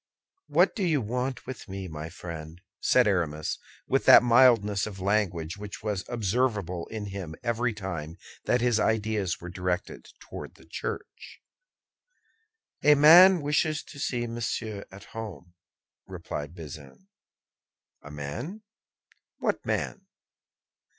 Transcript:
"What do you want with me, my friend?" said Aramis, with that mildness of language which was observable in him every time that his ideas were directed toward the Church. "A man wishes to see Monsieur at home," replied Bazin. "A man! What man?"